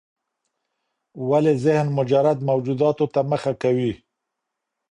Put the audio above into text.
ولي ذهن مجرد موجوداتو ته مخه کوي؟